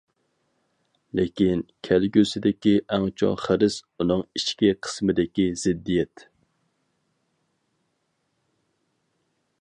لېكىن، كەلگۈسىدىكى ئەڭ چوڭ خىرىس ئۇنىڭ ئىچكى قىسمىدىكى زىددىيەت.